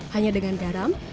hanya dengan garam